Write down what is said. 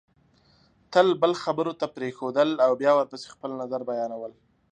تل بل خبرو ته پرېښودل او بیا ورپسې خپل نظر بیانول